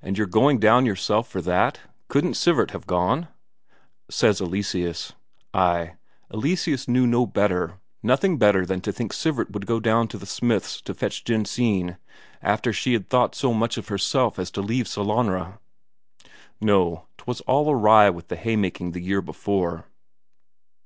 "And you're going down yourself for that? Couldn't Sivert have gone?" says Eleseus. Ay, Eleseus knew no better, nothing better than to think Sivert would go down to the smith's to fetch Jensine, after she had thought so much of herself as to leave Sellanraa! No, 'twas all awry with the haymaking the year before.